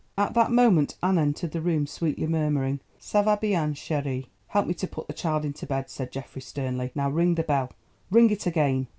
At that moment Anne entered the room sweetly murmuring, "Ça va bien, chérie?" "Help me to put the child into bed," said Geoffrey sternly. "Now ring the bell—ring it again.